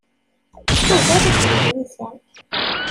Tugar-it deg lmizan.